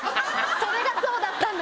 それがそうだったんだ！